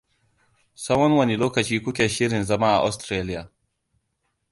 Tsahon wane lokaci ku ke shirin zama a Ostiraliya?